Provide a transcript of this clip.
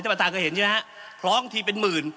ท่านประธานก็เห็นใช่ไหมคล้องทีเป็นหมื่น